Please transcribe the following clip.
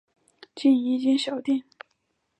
经营一间小店